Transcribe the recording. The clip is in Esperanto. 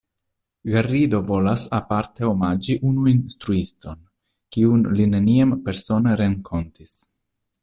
Garrido volas aparte omaĝi unu instruiston, kiun li neniam persone renkontis.